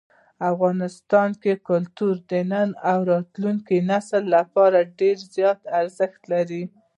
افغانستان کې کلتور د نن او راتلونکي نسلونو لپاره ډېر زیات ارزښت لري.